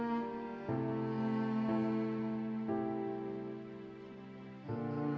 aku selalu kagum pakaianmu